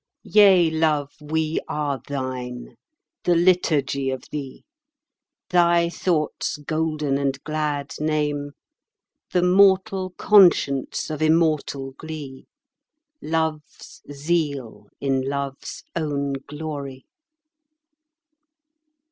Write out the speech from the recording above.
Yea, Love, we are thine, the liturgy of thee. Thy thought's golden and glad name, The mortal conscience of immortal glee, Love's zeal in Love's own glory.